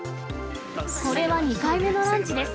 これは２回目のランチです。